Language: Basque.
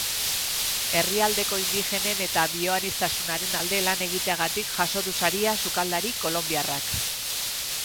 Herrialdeko indigenen eta bioaniztasunaren alde lan egiteagatik jaso du saria sukaldari kolonbiarrak.